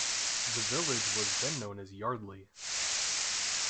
The village was then known as Yardley.